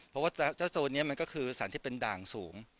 เพราะว่าเจ้าโซนนี้มันก็คือสารที่เป็นด่างสูง